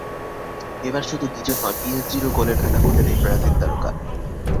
এবার শুধু নিজের নয়, পিএসজিরও গোলের খাতা খুললেন এই ব্রাজিল তারকা।